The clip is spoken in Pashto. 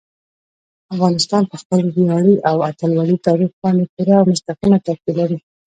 افغانستان په خپل ویاړلي او اتلولۍ تاریخ باندې پوره او مستقیمه تکیه لري.